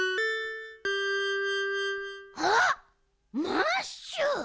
マッシュ！